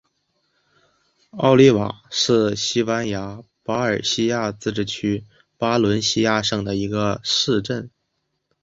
奥利瓦是西班牙巴伦西亚自治区巴伦西亚省的一个市镇。